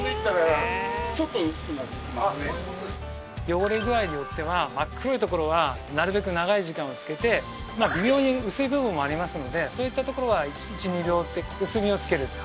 汚れ具合によっては真っ黒いところはなるべく長い時間を浸けて微妙に薄い部分もありますのでそういったところは１２秒薄めに浸ける。